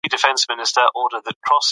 پوهاند باید د مطالعې فرهنګ ته وده ورکړي.